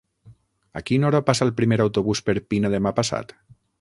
A quina hora passa el primer autobús per Pina demà passat?